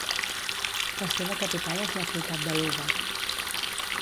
La seva capital és la ciutat de Luba.